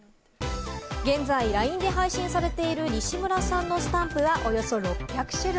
現在、ＬＩＮＥで配信されている、にしむらさんのスタンプはおよそ６００種類。